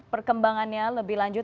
perkembangannya lebih lanjut